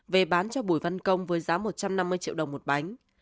về bán cho bùi văn công với giá một trăm năm mươi triệu đồng một bánh